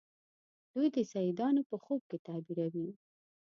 دوی د سیدانو په خوب کې تعبیروي.